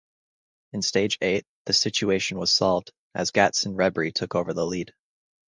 In stage eight, this situation was solved, as Gaston Rebry took over the lead.